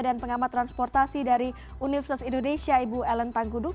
dan pengamat transportasi dari universitas indonesia ibu ellen tangkuduk